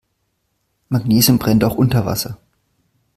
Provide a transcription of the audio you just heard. Magnesium brennt auch unter Wasser.